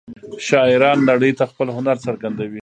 شاعران نړۍ ته خپل هنر څرګندوي.